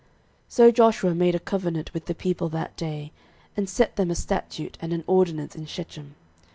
06:024:025 So Joshua made a covenant with the people that day, and set them a statute and an ordinance in Shechem.